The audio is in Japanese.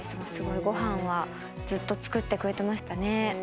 ご飯はずっと作ってくれてましたね。